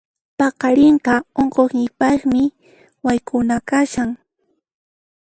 Paqarinqa unquqniypaqmi wayk'unay kashan.